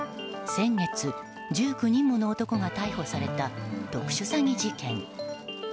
先月１９人もの男が逮捕された特殊詐欺事件。